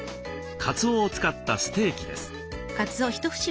かつおを使ったステーキです。